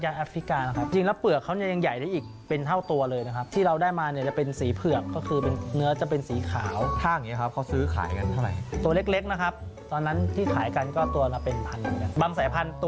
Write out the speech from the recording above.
ราคาซื้อขายปกติทั่วตุ๊กแก้วันนี้เค้าซื้อขายกันอย่างไร